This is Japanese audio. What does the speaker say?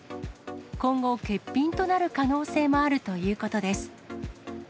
今後、欠品となる可能性もあるということです。